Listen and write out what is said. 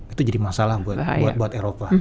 itu jadi masalah buat eropa